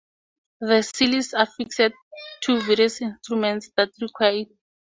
The seal is affixed to various instruments that require it.